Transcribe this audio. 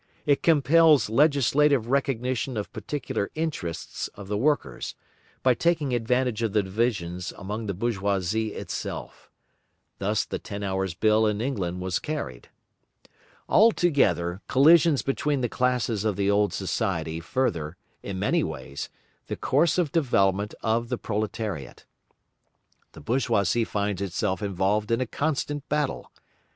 It compels legislative recognition of particular interests of the workers, by taking advantage of the divisions among the bourgeoisie itself. Thus the ten hours' bill in England was carried. Altogether collisions between the classes of the old society further, in many ways, the course of development of the proletariat. The bourgeoisie finds itself involved in a constant battle.